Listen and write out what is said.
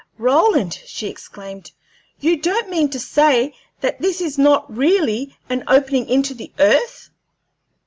"Roland," she exclaimed, "you don't mean to say that this is not really an opening into the earth?"